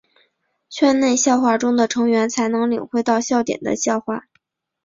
圈内笑话中的成员才能领会到笑点的笑话。